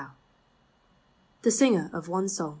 THE SINGER OF OXE S<)\